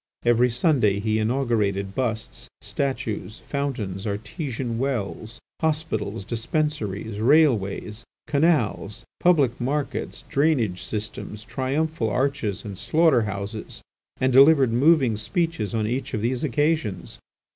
Every Sunday he inaugurated busts, statues, fountains, artesian wells, hospitals, dispensaries, railways, canals, public markets, drainage systems, triumphal arches, and slaughter houses, and delivered moving speeches on each of these occasions.